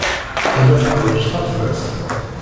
Tella teḥwaj tafḍist.